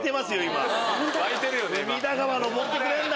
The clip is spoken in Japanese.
隅田川上ってくれるんだ！